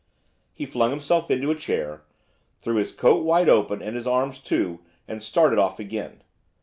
He flung himself into a chair, threw his coat wide open, and his arms too, and started off again.